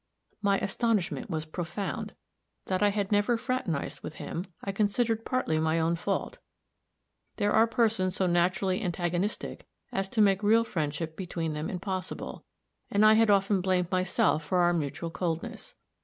My astonishment was profound. That I had never fraternized with him, I considered partly my own fault there are persons so naturally antagonistic as to make real friendship between them impossible and I had often blamed myself for our mutual coldness.